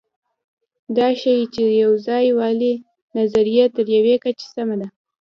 دا ښيي، چې د یوځایوالي نظریه تر یوې کچې سمه ده.